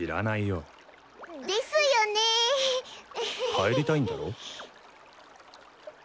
帰りたいんだろ？